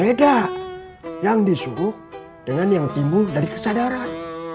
beda yang disuguh dengan yang timbul dari kesadaran